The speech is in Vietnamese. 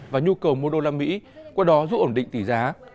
và nhu cầu mua đô la mỹ qua đó giúp ổn định tỷ giá